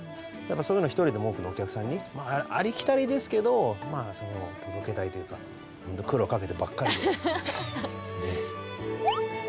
そういうのを一人でも多くのお客さんに、ありきたりですけど、まあその、届けたいというか、本当に苦労かけてばっかりで、ねっ。